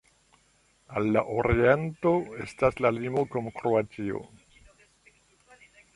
Al la oriento estas la limo kun Kroatio.